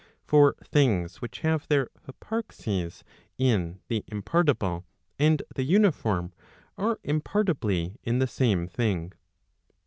For things which have their hyparxis in the impartible and the uniform, are impartibly in the same thing.